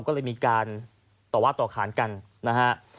ก็เลยมีการต่อว่าต่อขานกันนะฮะ